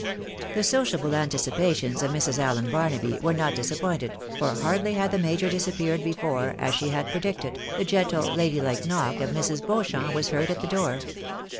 The sociable anticipations of Mrs. Allen Barnaby were not dis appointed, for hardly had the major disappeared before, as she had predicted, the gentle, lady Uke knock of Mrs. Beauchamp was heard at the door.